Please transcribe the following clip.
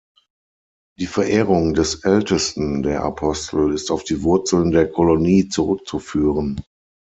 Die Verehrung des Ältesten der Apostel ist auf die Wurzeln der Kolonie zurückzuführen.